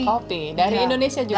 kopi dari indonesia juga